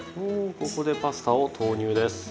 おここでパスタを投入です。